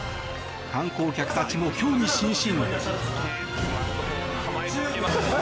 観光客たちも興味津々。